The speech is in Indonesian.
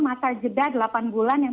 masa jeda delapan bulan yang